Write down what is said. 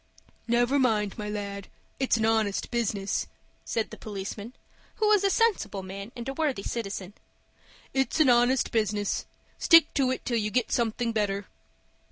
"Never mind, my lad. It's an honest business," said the policeman, who was a sensible man and a worthy citizen. "It's an honest business. Stick to it till you get something better."